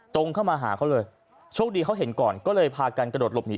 ตรงเข้ามาหาเขาเลยโชคดีเขาเห็นก่อนก็เลยพากันกระโดดหลบหนี